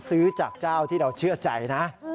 ซื้อจากเจ้าที่เราเชื่อใจนะ